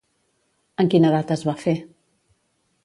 En quina data es va fer?